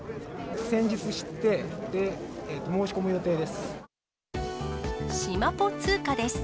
先日知って、申し込む予定です。